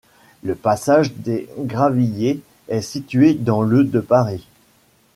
Le passage des Gravilliers est situé dans le de Paris.